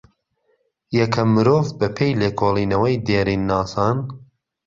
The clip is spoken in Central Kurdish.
یەکەم مرۆڤ بە پێێ لێکۆڵێنەوەی دێرین ناسان